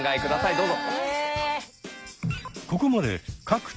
どうぞ。